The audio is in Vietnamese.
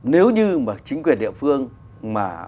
nếu như mà